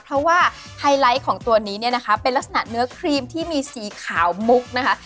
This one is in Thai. เพราะว่าไฮไลท์ของตัวนี้เนี่ยนะคะเป็นลักษณะเนื้อครีมที่มีสีขาวมุกนะคะ